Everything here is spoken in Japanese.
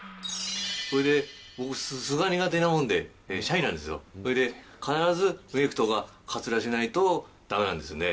それで、僕、素が苦手なもんで、シャイなんですよ、それで、必ずメークとかかつらしないとだめなんですよね。